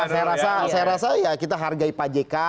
saya rasa ya kita hargai pak jk